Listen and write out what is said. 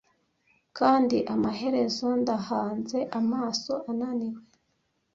kandi amaherezo ndahanze amaso ananiwe